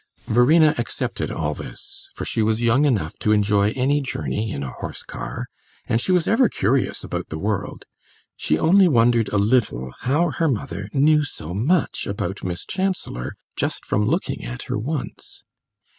Verena accepted all this, for she was young enough to enjoy any journey in a horse car, and she was ever curious about the world; she only wondered a little how her mother knew so much about Miss Chancellor just from looking at her once.